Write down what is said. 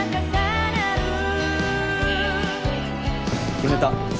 決めた。